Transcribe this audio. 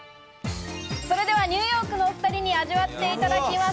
ニューヨークのお二人に味わっていただきます。